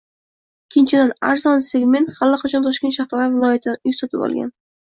Ikkinchidan, arzon segment allaqachon Toshkent shahri va viloyatidan uy sotib olgan